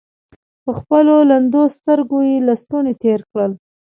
پر خپلو لندو سترګو يې لستوڼۍ تېر کړ.